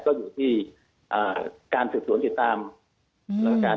ก็อยู่ที่การสื่อส่วนติดตามรักฐาน